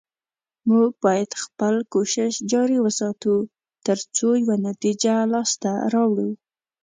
موږ باید خپل کوشش جاري وساتو، تر څو یوه نتیجه لاسته راوړو